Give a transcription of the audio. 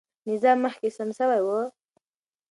نظام مخکې سم سوی و.